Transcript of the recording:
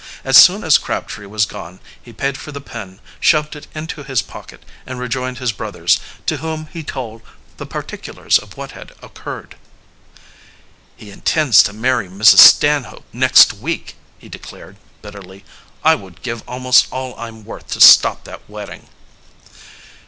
As soon as Crabtree was gone he paid for the pin, shoved it into his pocket, and rejoined his brothers, to whom he told the particulars of what had occurred. "He intends to marry Mrs. Stanhope next week," he declared bitterly. "I would give almost all I'm worth to stop that wedding."